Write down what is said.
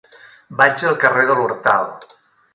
Vaig al carrer de l'Hortal.